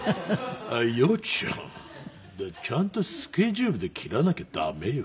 「あっ洋ちゃんちゃんとスケジュールで切らなきゃ駄目よ」。